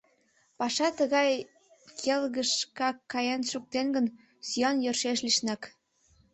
Паша тыгай келгышкак каен шуктен гын, сӱан йӧршеш лишнак.